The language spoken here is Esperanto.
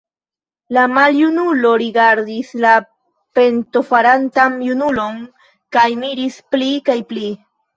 La maljunulo rigardis la pentofarantan junulon kaj miris pli kaj pli.